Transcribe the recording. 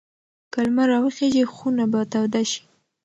که لمر راوخېژي خونه به توده شي.